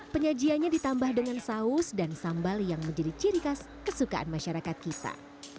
penyajiannya ditambah dengan saus dan sambal yang menjadi ciri khas kesukaan masyarakat kita